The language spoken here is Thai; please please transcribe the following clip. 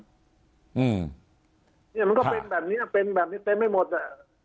เนี่ยมันก็เป็นแบบนี้เป็นแบบนี้เต็มไม่หมดอ่ะ